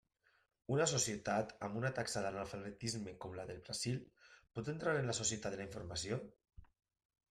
Una societat amb una taxa d'analfabetisme com la del Brasil, ¿pot entrar en la societat de la informació?